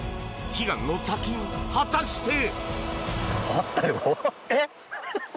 悲願の砂金、果たして。